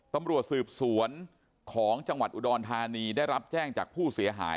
ตำรวจสืบสวนของจังหวัดอุดรธานีได้รับแจ้งจากผู้เสียหาย